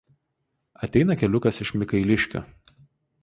Ateina keliukas iš Mikailiškių.